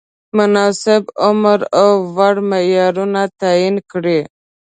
مناسب عمر او وړ معیارونه تعین کړي.